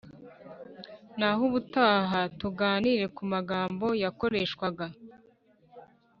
Nahubutaha tuganira ku magambo yakoreshwaga